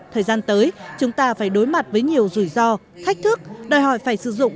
thời gian tới chúng ta phải đối mặt với nhiều rủi ro thách thức đòi hỏi phải sử dụng